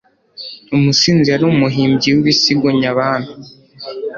Umusizi yari umuhimbyi w'ibisigo Nyabami,